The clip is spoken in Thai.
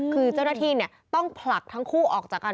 คือเจ้าหน้าที่ต้องผลักทั้งคู่ออกจากกัน